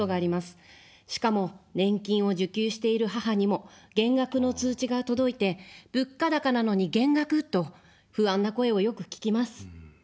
しかも、年金を受給している母にも減額の通知が届いて、物価高なのに減額と不安な声をよく聞きます。